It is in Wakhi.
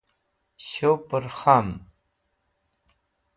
Shupẽr kham